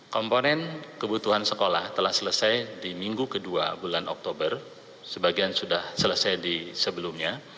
komponen kebutuhan sekolah telah selesai di minggu kedua bulan oktober sebagian sudah selesai di sebelumnya